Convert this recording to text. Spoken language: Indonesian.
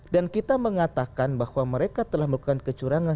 dan kita mengatakan bahwa mereka telah melakukan kecurangan